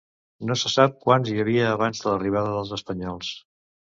No se sap quants hi havia abans de l'arribada dels espanyols.